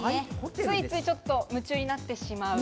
ついついちょっと夢中になってしまう。